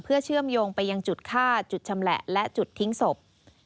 เพื่อเชื่อมโยงไปยังจุดฆ่าจุดชำแหละและจุดทิ้งศพ